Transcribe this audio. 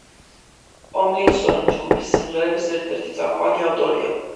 ტომლინსონი ჯგუფის სიმღერების ერთ-ერთი წამყვანი ავტორია.